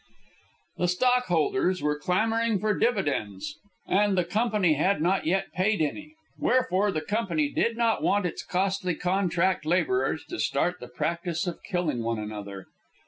The stockholders were clamouring for dividends, and the Company had not yet paid any; wherefore the Company did not want its costly contract labourers to start the practice of killing one another.